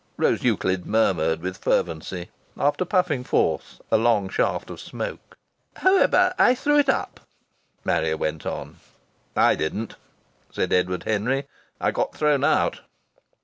Rose Euclid murmured with fervency, after puffing forth a long shaft of smoke. "However, I threw it up," Marrier went on. "I didn't," said Edward Henry. "I got thrown out!"